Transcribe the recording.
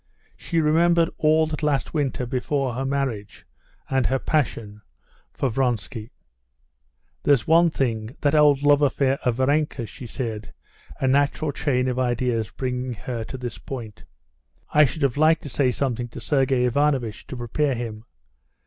She remembered all that last winter before her marriage, and her passion for Vronsky. "There's one thing ... that old love affair of Varenka's," she said, a natural chain of ideas bringing her to this point. "I should have liked to say something to Sergey Ivanovitch, to prepare him.